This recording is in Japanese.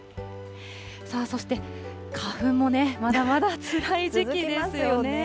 さあ、そして花粉もね、まだまだつらい時期ですよね。